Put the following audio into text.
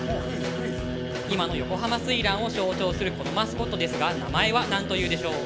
今の横浜翠嵐を象徴するこのマスコットですが名前は何というでしょう？